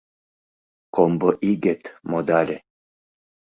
Комбо игет модале.